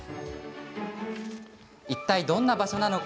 いったいどんな場所なのか？